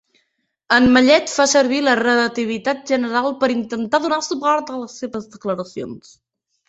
En Mallet fa servir la relativitat general per intentar donar suport a les seves declaracions.